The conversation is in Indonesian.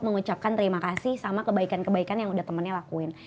mengucapkan terima kasih sama kebaikan kebaikan yang udah temennya lakuin